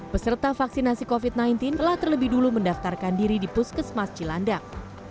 peserta vaksinasi covid sembilan belas telah terlebih dulu mendaftarkan diri di puskesmas cilandak